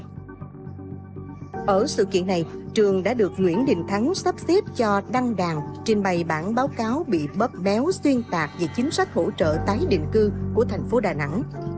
trong sự kiện này trường đã được nguyễn đình thắng sắp xếp cho đăng đàn trình bày bản báo cáo bị bấp béo xuyên tạc về chính sách hỗ trợ tái định cư của thành phố đà nẵng